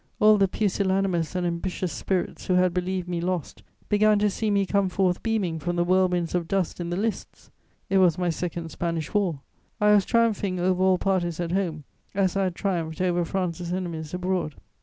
All the pusillanimous and ambitious spirits who had believed me lost began to see me come forth beaming from the whirlwinds of dust in the lists: it was my second Spanish War; I was triumphing over all parties at home as I had triumphed over France's enemies abroad.